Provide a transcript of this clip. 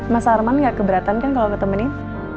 mas arman gak keberatan kan kalau ngetemenin